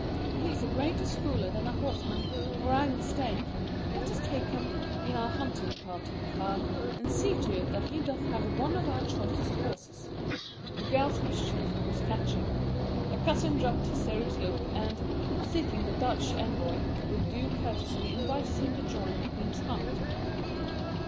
He is a greater scholar than horseman, or I mistake. Let us take him in our hunting party, Karl; and see to it that he doth have one of our choicest horses." The girl's mischief was catching. Her cousin dropped his serious look, and, seeking the Dutch envoy, with due courtesy invited him to join the Queen's hunt.